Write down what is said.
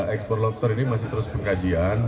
ekspor lobster ini masih terus pengkajian